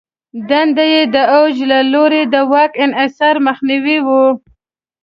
دنده یې د دوج له لوري د واک انحصار مخنیوی و